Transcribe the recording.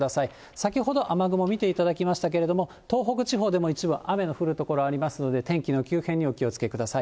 先ほど雨雲見ていただきましたけれども、東北地方でも一部、雨が降る所ありますので、天気の急変にお気をつけください。